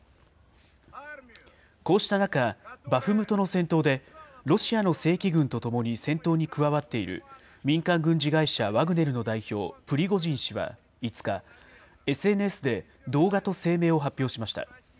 こうした中、バフムトの戦闘で、ロシアの正規軍と共に戦闘に加わっている、民間軍事会社ワグネルの代表、プリゴジン氏は５日、ＳＮＳで動画と声明を発表しました。